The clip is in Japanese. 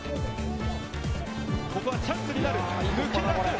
ここはチャンスになる。